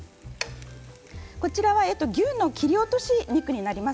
こちらは牛の切り落とし肉になります。